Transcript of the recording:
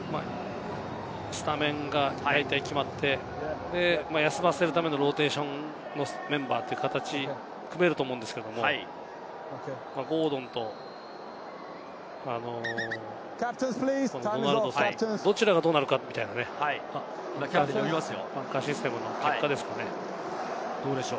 スタメンが大体決まって、休ませるためのローテーションのメンバーという形を組めると思うんですけれども、ゴードンとドナルドソン、どちらがどうなるかみたいなね、感じがありますよ。